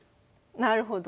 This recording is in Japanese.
なるほど。